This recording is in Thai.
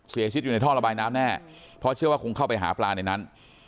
เสียชีวิตอยู่ในท่อระบายน้ำแน่เพราะเชื่อว่าคงเข้าไปหาปลาในนั้น